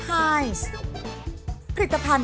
ใครสอน